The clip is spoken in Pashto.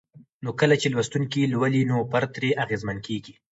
نو کله چې لوستونکي لولي نو فرد ترې اغېزمن کيږي